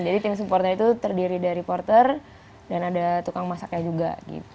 jadi tim supportnya itu terdiri dari porter dan ada tukang masaknya juga